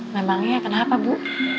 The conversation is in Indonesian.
memangnya ya kenapa bu